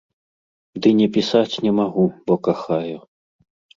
Ды не пісаць не магу, бо кахаю.